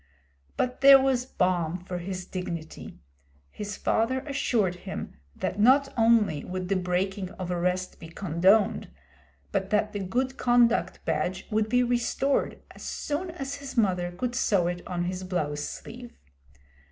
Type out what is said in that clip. But there was balm for his dignity. His father assured him that not only would the breaking of arrest be condoned, but that the good conduct badge would be restored as soon as his mother could sew it on his blouse sleeve.